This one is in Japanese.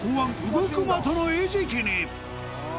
動く的の餌食に！